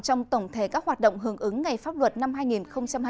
trong tổng thể các hoạt động hưởng ứng ngày pháp luật năm hai nghìn hai mươi bốn